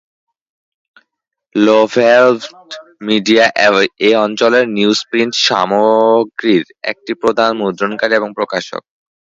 লোভেলড media এই অঞ্চলের newsprint সামগ্রীর একটি প্রধান মুদ্রণকারী এবং প্রকাশক।